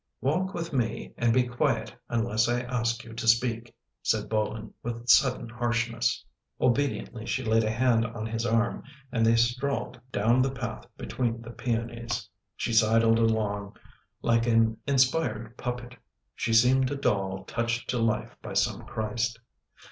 "Walk with me and be quiet unless I ask you to speak," said Bolin with sudden harshness. Obediently she laid a hand on his arm and they strolled down the path between the peonies. She sidled along like an inspired puppet — she seemed a doll touched to life by some Christ.